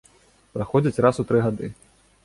Праходзіць раз у тры гады.